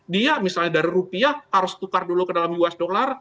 dia misalnya dari rupiah harus tukar dulu ke dalam us dollar